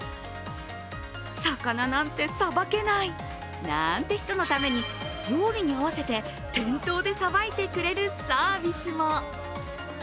魚なんてさばけない、なんて人のために料理に合わせて店頭でさばいてくれるサービスも。